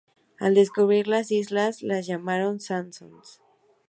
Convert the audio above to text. Al descubrir las islas, las llamaron "Sansón".